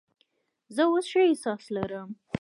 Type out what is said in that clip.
زه اوس ښه احساس لرم.